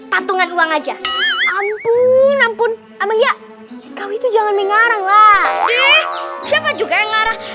patungan uang aja ampun ampun amalia kau itu jangan mengarang lah ih siapa juga yang ngarah